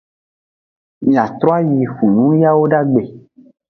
Miatroayi hunun yawodagbe.